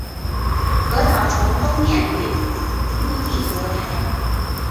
鹅岛从东面与陆地隔开。